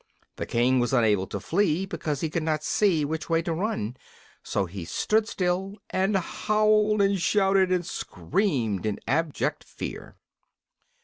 The King was unable to flee because he could not see which way to run; so he stood still and howled and shouted and screamed in abject fear.